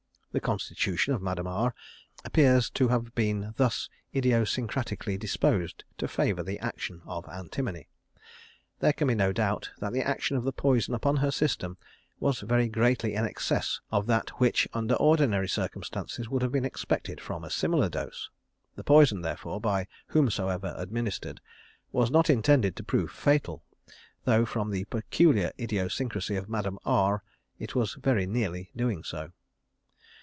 The constitution of Madame R appears to have been thus idiosyncratically disposed to favour the action of antimony. There can be no doubt that the action of the poison upon her system was very greatly in excess of that which under ordinary circumstances would have been expected from a similar dose. The poison, therefore, by whomsoever administered, was not intended to prove fatal, though from the peculiar idiosyncracy of Madame R it was very nearly doing so.